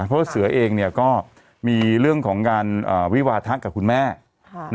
เพราะว่าเสือเองเนี่ยก็มีเรื่องของการอ่าวิวาทักกับคุณแม่ค่ะ